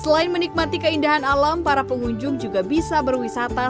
selain menikmati keindahan alam para pengunjung juga bisa berwisata